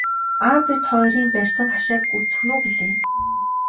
Аав бид хоёрын барьсан хашааг үзэх нь үү гэлээ.